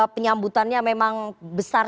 penyambutannya memang besar